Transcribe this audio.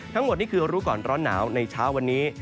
ทั้งหมดนี่คือรู้ก่อนร้อนหนาวในเช้าวันนี้